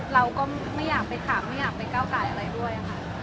เราก็ไม่อยากได้ก้าวกายอะไรด้วย